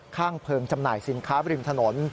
ข้างเพลิงจำหน่ายสินค้าบริมถนน